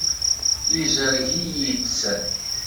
Izreg-iyi-tt.